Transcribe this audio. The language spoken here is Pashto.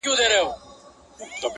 د يو سري مار خوراك يوه مړۍ وه٫